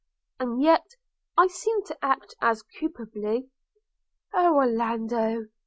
and yet I seem to act as culpably. Oh Orlando!